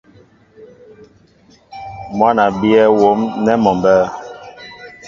Mwǎn a bíyɛ́ wóm nɛ́ mɔ mbɛ́ɛ́.